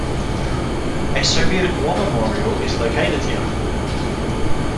A Soviet War Memorial is located here.